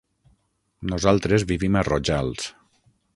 Nosaltres vivim a Rojals.